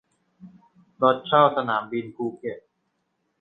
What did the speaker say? รถเช่าสนามบินภูเก็ต